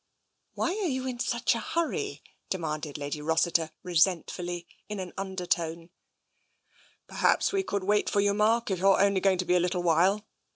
Why are you in such a hurry? " demanded Lady .Rossiter resentfully, in an undertone. " Perhaps we could wait for you, Mark, if you're only going to be a little while."